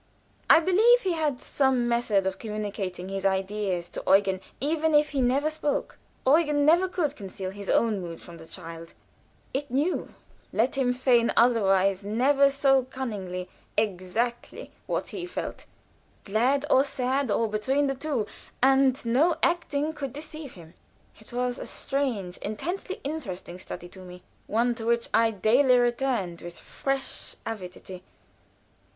I believe he had some method of communicating his ideas to Eugen, even if he never spoke. Eugen never could conceal his own mood from the child; it knew let him feign otherwise never so cunningly exactly what he felt, glad or sad, or between the two, and no acting could deceive him. It was a strange, intensely interesting study to me; one to which I daily returned with fresh avidity.